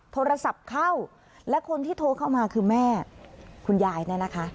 โทรศัพท์เข้าและคนที่โทรเข้ามาคือแม่คุณยายเนี่ยนะคะ